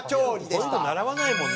こういうの習わないもん。